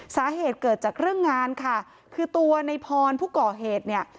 สาเหตุเกิดจากเรื่องงานค่ะคือตัวในพรผู้ก่อเหตุเนี่ย